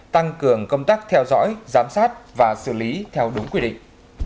tăng cường công tác theo dõi giám sát và xử lý theo đúng quy định